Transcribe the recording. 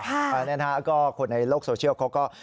เพราะฉะนั้นค่ะก็คนในโลกโซเชียลเขาก็